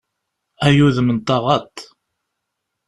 Ay udem n taɣaṭ!